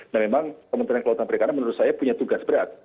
nah memang kementerian kelautan perikanan menurut saya punya tugas berat